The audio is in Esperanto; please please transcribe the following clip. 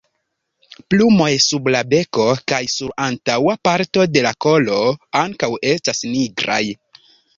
Plumoj sub la beko kaj sur antaŭa parto de la kolo ankaŭ estas nigraj.